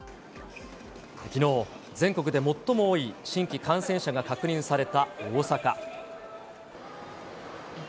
きのう、全国で最も多い新規感染者が確認された大阪。